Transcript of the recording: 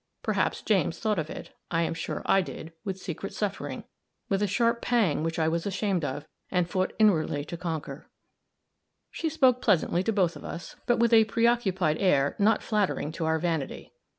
Perhaps James thought of it; I am sure I did, with secret suffering with a sharp pang which I was ashamed of, and fought inwardly to conquer. She spoke pleasantly to both of us, but with a preoccupied air not flattering to our vanity.